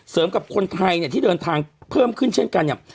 เสริมกับคนไทยที่เดินทางเพิ่มขึ้นเช่นกัน